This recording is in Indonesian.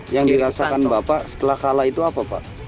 yang dirasakan bapak setelah kalah itu apa pak